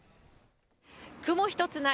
雲一つない